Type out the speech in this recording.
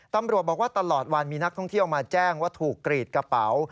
ตำรวจบอกว่าตลอดวันมีนักท่องเที่ยวมาแจ้งว่าถูกกรีดกระเป๋า